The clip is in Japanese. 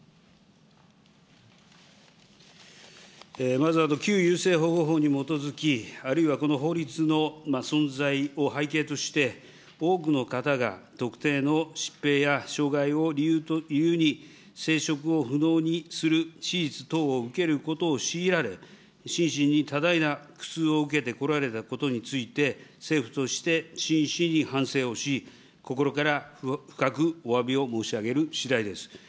まず、旧優生保護法に基づきあるいはこの法律の存在を背景として、多くの方が特定の疾病や障害を理由に、生殖を不能にする手術等を受けることを強いられ、心身に多大な苦痛を受けてこられたことについて、政府として真摯に反省をし、心から深くおわびを申し上げるしだいです。